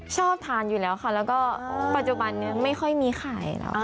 ชอบทานอยู่แล้วค่ะแล้วก็ปัจจุบันนี้ไม่ค่อยมีไข่แล้ว